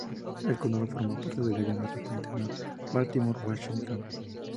El condado forma parte del área metropolitana Baltimore-Washington.